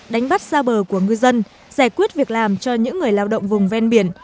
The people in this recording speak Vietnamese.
đánh bắt xa bờ của ngư dân giải quyết việc làm cho những người lao động vùng ven biển